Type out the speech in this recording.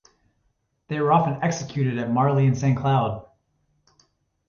They were often executed at Marly and Saint-Cloud.